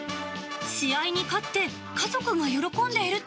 試合に勝って、家族が喜んでいると。